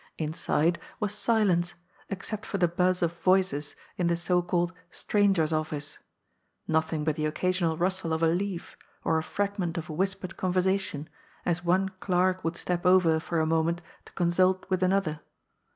Inside was silence, except for the buzz of voices in the so called Strangers' OflBce" — nothing but the occasional rustle of a leaf, or a fragment of a whispered conyersation, as one clerk would step over for a moment to consult with another.